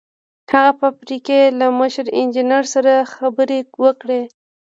هغه د فابریکې له مشر انجنیر سره خبرې وکړې